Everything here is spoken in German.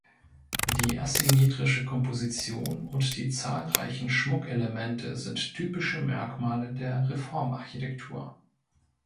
Die asymmetrische Komposition und die zahlreichen Schmuckelemente sind typische Merkmale der Reformarchitektur.